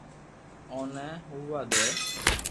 اوني ھووا دي